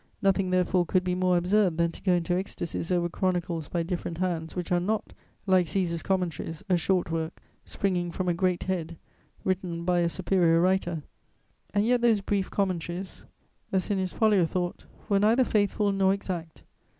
Nothing therefore could be more absurd than to go into ecstasies over chronicles by different hands which are not, like Cæsar's Commentaries, a short work, springing from a great head, written by a superior writer; and yet those brief commentaries, Asinius Pollio thought, were neither faithful nor exact.